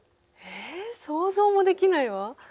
え想像もできないわ。